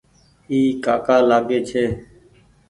اي ڪآڪآ لآگي ڇي۔